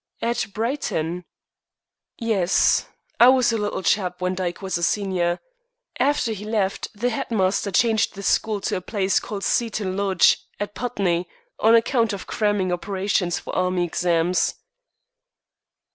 "At Brighton?" "Yes. I was a little chap when Dyke was a senior. After he left, the headmaster changed the school to a place called Seton Lodge, at Putney, on account of cramming operations for Army exams."